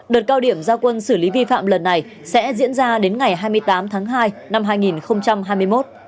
đợt cao điểm giao quân xử lý vi phạm lần này sẽ diễn ra đến ngày hai mươi tám tháng hai năm hai nghìn hai mươi một